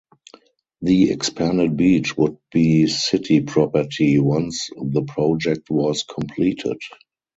The expanded beach would be city property once the project was completed.